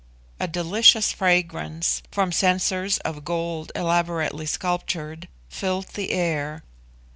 A delicious fragrance, from censers of gold elaborately sculptured, filled the air.